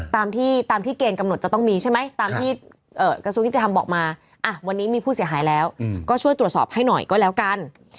ตามที่เกณฑ์กำหนดจะต้องมีใช่ไหมตามที่กระทรวงยุติธรรมบอกมาวันนี้มีผู้เสียหายแล้วก็ช่วยตรวจสอบให้หน่อยก็แล้วกัน